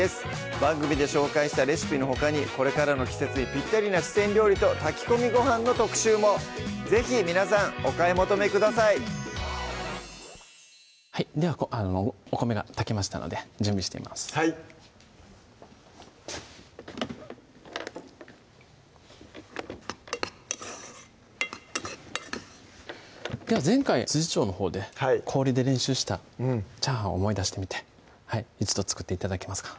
番組で紹介したレシピのほかにこれからの季節にぴったりな四川料理と炊き込みごはんの特集も是非皆さんお買い求めくださいではお米が炊けましたので準備していますでは前回調のほうで氷で練習したチャーハンを思い出してみて一度作って頂けますか？